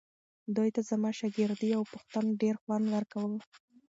دوی ته زما شاګردۍ او پوښتنو ډېر خوند ورکاوو.